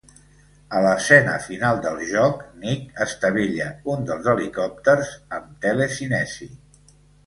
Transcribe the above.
A l'escena final del joc, Nick estavella un dels helicòpters amb telecinesi.